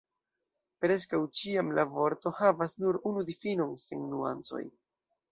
Preskaŭ ĉiam la vorto havas nur unu difinon, sen nuancoj.